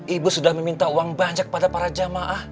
ibu sudah meminta uang banyak pada para jamaah